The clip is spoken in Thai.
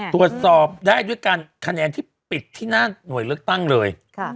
ตรวจสอบได้ด้วยการคะแนนที่ปิดที่หน้าหน่วยเลือกตั้งเลย